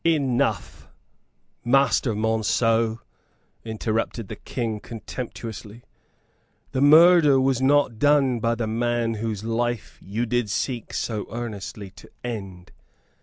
"Enough, Master Monceux," interrupted the King, contemptuously. "The murder was not done by the man whose life you did seek so earnestly to end.